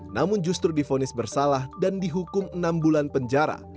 namun justru difonis bersalah dan dihukum enam bulan penjara